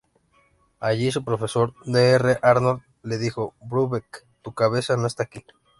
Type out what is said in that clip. Allí su profesor Dr. Arnold le dijo: "Brubeck, tu cabeza no está aquí.